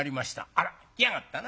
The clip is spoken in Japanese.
「あら来やがったな。